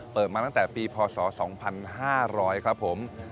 เปิดมาตั้งแต่ปีพศ๒๕๐๐ครับผม